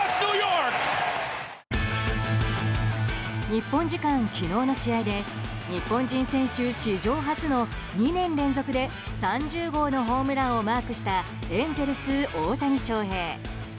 日本時間、昨日の試合で日本人選手史上初の２年連続で３０号のホームランをマークしたエンゼルス、大谷翔平。